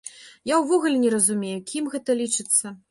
Я ўвогуле не разумею, кім гэта лічыцца.